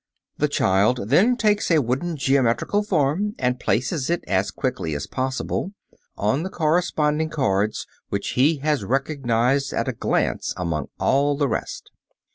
The child then takes a wooden geometrical form and places it, as quickly as possible, on the corresponding cards which he has recognized at a glance among all the rest.